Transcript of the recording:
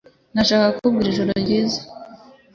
Nashakaga kukubwira ijoro ryiza